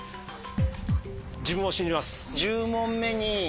１０問目に。